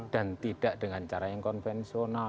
dan tidak dengan cara yang konvensional